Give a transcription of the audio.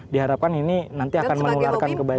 diharapkan ini nanti akan menularkan kebaikan